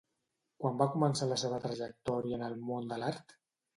Quan va començar la seva trajectòria en el món de l'art?